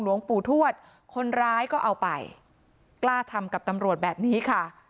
หลวงปู่ทวดคนร้ายก็เอาไปกล้าทำกับตำรวจแบบนี้ค่ะ